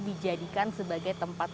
dijadikan sebagai tempat